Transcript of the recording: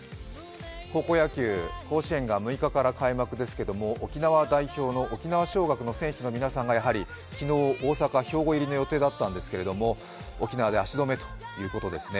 高校野球、甲子園が６日から開幕ですけれども沖縄代表の沖縄尚学の選手の皆さんがやはり昨日、大阪、兵庫入りの予定だったんですけれども、沖縄で足止めということですね。